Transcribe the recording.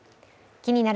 「気になる！